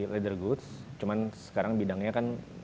leader goods cuman sekarang bidangnya kan